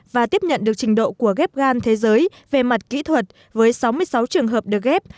và tiếp nhận được trình độ của ghép gan thế giới về mặt kỹ thuật với sáu mươi sáu trường hợp được ghép